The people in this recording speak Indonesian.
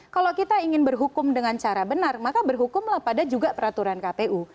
kalau kita ingin berhukum dengan cara benar maka berhukumlah pada juga peraturan kpu